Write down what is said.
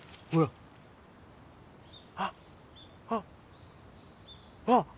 あっあっあっ！